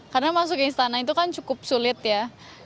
karena masuk ke istana itu kan cukup sulit ya